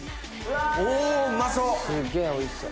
おうまそう！